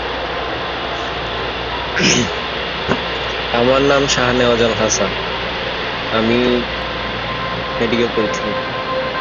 মেলা ও অন্যান্য অনুষ্ঠানের আয়োজন করা হত এ উপলক্ষে।